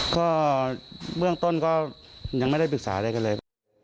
ก็เบื้องต้นก็ยังไม่ได้ปรึกษาอะไรกันเลย